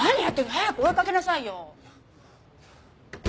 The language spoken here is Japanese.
早く追いかけなさいよ。